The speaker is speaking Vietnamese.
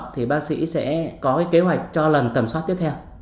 thì bác sĩ sẽ có cái kế hoạch cho lần tầm soát tiếp theo